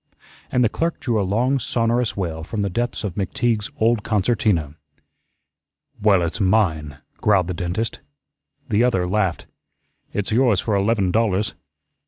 And the clerk drew a long, sonorous wail from the depths of McTeague's old concertina. "Well, it's mine," growled the dentist. The other laughed. "It's yours for eleven dollars."